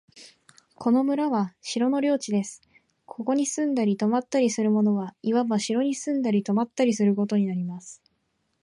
この村は城の領地です。ここに住んだり泊ったりする者は、いわば城に住んだり泊ったりすることになります。